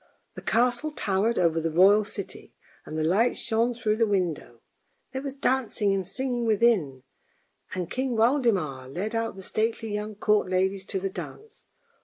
The castle towered over the royal city, and the lights shone through the windows; there was dancing and singing within, and King Waldemar led out the stately young court ladies to the dance.